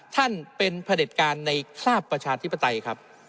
ท่านเป็นพระเด็จการในคราบประชาธิปไตยครับ